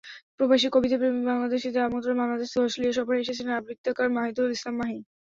প্রবাসী কবিতাপ্রেমী বাংলাদেশিদের আমন্ত্রণে বাংলাদেশ থেকে অস্ট্রেলিয়া সফরে এসেছিলেন আবৃত্তিকার মাহিদুল ইসলাম মাহি।